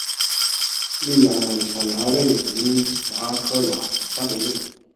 葎草蚜为常蚜科蚜属下的一个种。